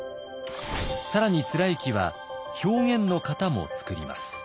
更に貫之は表現の型も創ります。